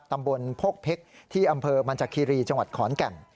ตำบลโพกเพชรที่อำเภอมันจากคีรีจังหวัดขอนแก่น